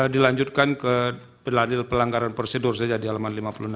dilanjutkan ke ladial pelanggaran prosedur saja di halaman lima puluh enam